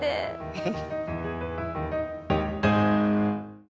フフ。